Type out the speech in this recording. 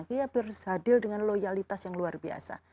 dia harus hadir dengan loyalitas yang luar biasa